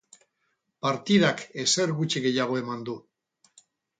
Partidak ezer gutxi gehiago eman du.